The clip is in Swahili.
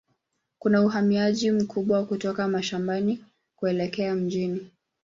Kuna uhamiaji mkubwa kutoka mashambani kuelekea mjini.